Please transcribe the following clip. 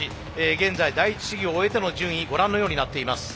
現在第一試技を終えての順位ご覧のようになっています。